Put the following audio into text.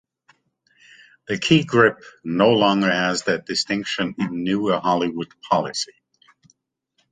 The key grip no longer has that distinction in newer Hollywood policy.